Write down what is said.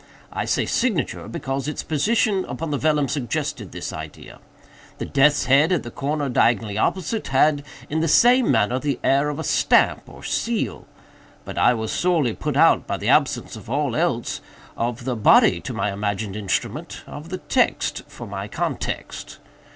I say signature; because its position upon the vellum suggested this idea. The death's head at the corner diagonally opposite, had, in the same manner, the air of a stamp, or seal. But I was sorely put out by the absence of all else—of the body to my imagined instrument—of the text for my context."